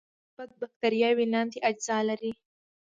ګرام مثبت بکټریاوې لاندې اجزا لري.